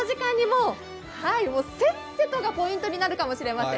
「せっせ」がポイントになるかもしれません。